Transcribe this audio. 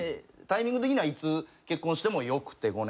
タイミング的にはいつ結婚してもよくて。